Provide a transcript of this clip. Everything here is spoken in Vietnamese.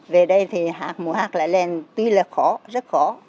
về đây thì mua hát lại lên tuy là khó rất khó